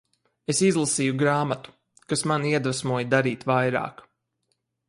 Es izlasīju grāmatu, kas mani iedvesmoja darīt vairāk.